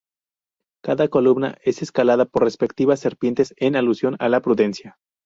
Cada columna es escalada por respectivas serpientes en alusión a la prudencia.